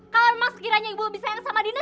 kalau emang sekiranya ibu lebih sayang sama dina